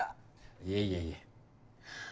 いえいえいえ。